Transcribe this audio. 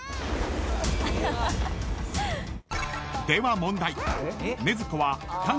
［では問題］